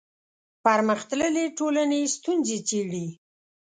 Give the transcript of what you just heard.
پرمختللې ټولنې ستونزې څېړي